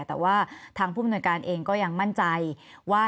แต่ว่าทางผู้มนวยการเองก็ยังมั่นใจว่า